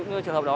ở trên toàn quốc